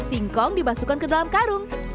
singkong dimasukkan ke dalam karung